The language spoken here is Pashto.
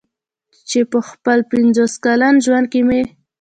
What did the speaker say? چې په خپل پنځوس کلن ژوند کې مې.